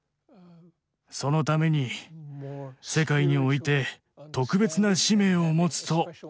そのために世界において特別な使命を持つと考えているのです。